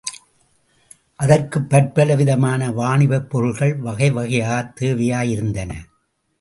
அதற்குப் பற்பல விதமான வாணிபப் பொருள்கள் வகை வகையாகத் தேவையாயிருந்தன.